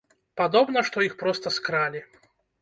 Падобна, што іх проста скралі!